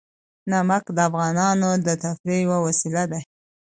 نمک د افغانانو د تفریح یوه وسیله ده.